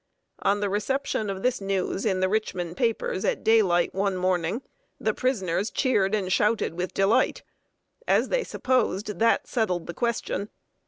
On the reception of this news in the Richmond papers at daylight one morning, the prisoners cheered and shouted with delight. As they supposed, that settled the question.